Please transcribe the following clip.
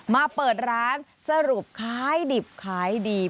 มาเปิดร้านสรุปคล้ายดิบคล้ายดี